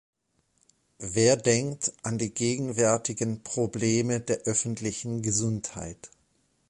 Wer denkt an die gegenwärtigen Probleme der öffentlichen Gesundheit?